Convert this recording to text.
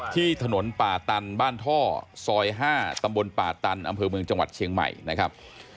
ที่ถนนป่าตันบ้านท่อซอย๕ตำบลป่าตันอำเภอเมืองจังหวัดเชียงใหม่นะครับ